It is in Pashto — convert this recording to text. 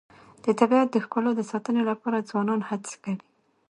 د طبیعت د ښکلا د ساتنې لپاره ځوانان هڅې کوي.